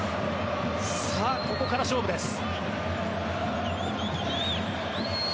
さあ、ここから勝負です。